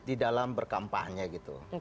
di dalam berkampahnya gitu